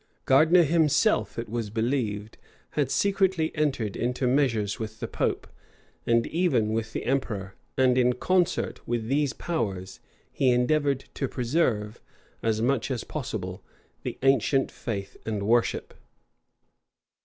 Gardiner himself, it was believed, had secretly entered into measures with the pope, and even with the emperor; and in concert with these powers, he endeavored to preserve, as much as possible, the ancient faith and worship.